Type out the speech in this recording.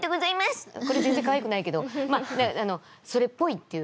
これ全然かわいくないけどそれっぽいっていう。